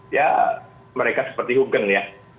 ya mereka seperti hugen ya